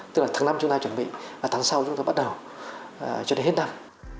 tức là tháng năm chúng ta chuẩn bị và tháng sáu chúng ta bắt đầu cho đến hết năm